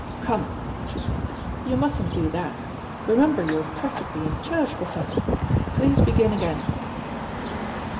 "Come," she said, "you mustn't do that. Remember you are practically in church, Professor. Please begin again."